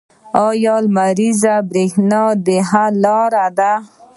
آیا لمریزه بریښنا د حل لاره ده؟